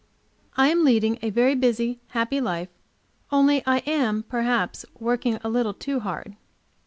I am leading a very busy, happy life, only I am, perhaps, working a little too hard.